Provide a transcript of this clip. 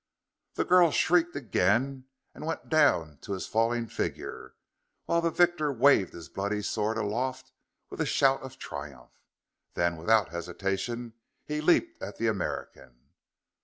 The girl shrieked again and went down to his fallen figure, while the victor waved his bloody sword aloft with a shout of triumph. Then, without hesitation, he leaped at the American.